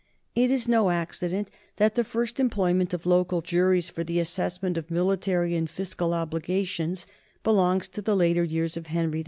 It is no accident that the first employment of local juries for the assessment of military and fiscal ob ligations belongs to the later years of Henry II.